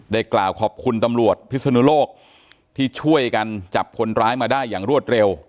กล่าวขอบคุณตำรวจพิศนุโลกที่ช่วยกันจับคนร้ายมาได้อย่างรวดเร็ว